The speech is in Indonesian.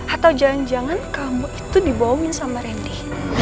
atau jangan jangan kamu itu dibohongin sama randy